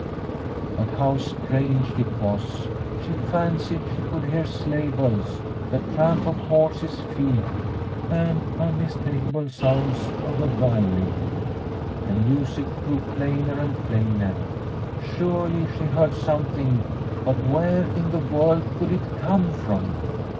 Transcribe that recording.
But how strange it was ! She fancied she could hear sleighbells, the tramp of horses' feet, and unmistakable sounds of a violin. The music grew plainer and plainer. Surely she heard something, but where in the world could it come from